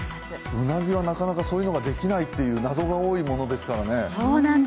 うなぎはなかなかそういうのができないっていう謎が多いものですからね。